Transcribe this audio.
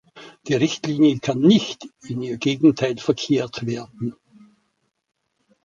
Die Richtlinie kann nicht in ihr Gegenteil verkehrt werden.